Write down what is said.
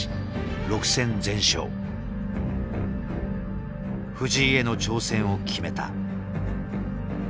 藤井への挑戦を決めた。